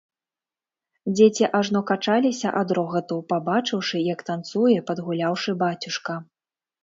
Дзеці ажно качаліся ад рогату, пабачыўшы, як танцуе падгуляўшы бацюшка.